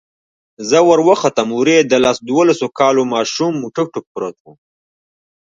زه وروختم هورې د لس دولسو كالو ماشوم ټوك ټوك پروت و.